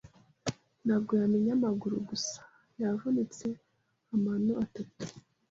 ntabwo yamennye amaguru gusa. Yavunitse amano atatu.